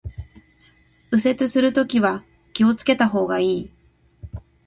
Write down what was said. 右折するときは気を付けた方がいい